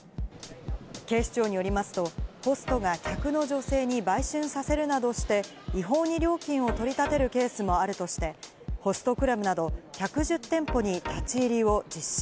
警視庁によりますと、ホストが客の女性に売春させるなどして違法に料金を取り立てるケースもあるとして、ホストクラブなど１１０店舗に立ち入りを実施。